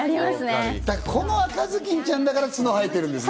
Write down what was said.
この赤ずきんちゃんだから、角生えてるんですね。